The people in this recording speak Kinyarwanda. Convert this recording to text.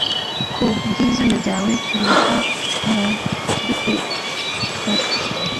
ku bw’izina ryawe turibata abaduteraga